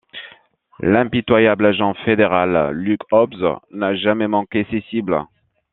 L'impitoyable agent fédéral Luke Hobbs n'a jamais manqué ses cibles.